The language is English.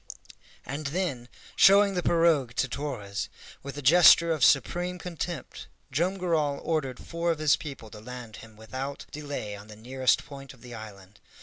And then, showing the pirogue to Torres, with a gesture of supreme contempt Joam Garral ordered four of his people to land him without delay on the nearest point of the island.